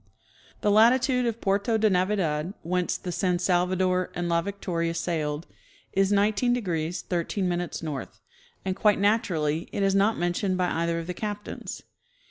The latitude of Puerto cle Navidad, whence the San Salvado7' and La Victoria sailed, is 19° 13' north, and quite naturally it is not mentioned by either of the captains.